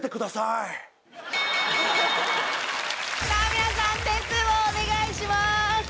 皆さん点数をお願いします。